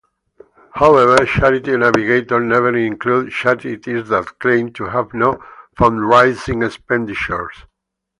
However, Charity Navigator never included charities that claim to have no fundraising expenditures.